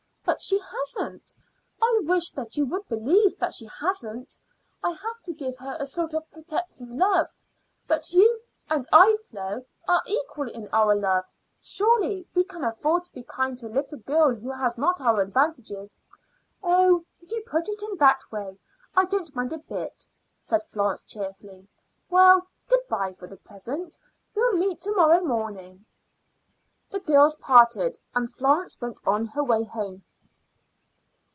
"But she hasn't. I wish that you would believe that she hasn't. I have to give her a sort of protecting love; but you and I, Flo, are equal in our love. Surely we can afford to be kind to a little girl who has not our advantages." "Oh, if you put it in that way, I don't mind a bit," said Florence cheerfully. "Well, good bye for the present. We'll meet to morrow morning." The girls parted, and Florence went on her way home.